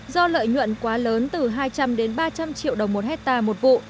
do lợi nhuận quá lớn từ hai trăm linh đến ba trăm linh triệu đồng một hectare một vụ